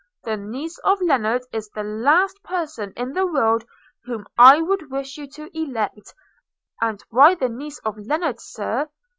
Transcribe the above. The niece of Lennard is the last person in the world whom I would wish you to elect, and ...' 'And why the niece of Lennard, Sir?'